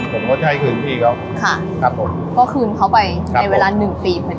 ผมก็จะให้คืนพี่เขาค่ะครับผมก็คืนเขาไปในเวลาหนึ่งปีเป็น